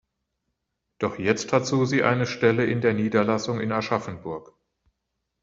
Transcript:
Doch jetzt hat Susi eine Stelle in der Niederlassung in Aschaffenburg.